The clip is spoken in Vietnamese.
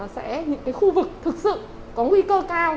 sẽ những khu vực thực sự có nguy cơ cao